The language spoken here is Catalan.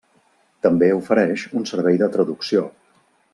També ofereix un servei de traducció.